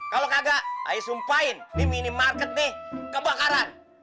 kalau kagak ayo sumpahin di minimarket nih kebakaran